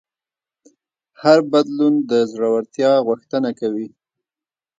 هر بدلون د زړهورتیا غوښتنه کوي.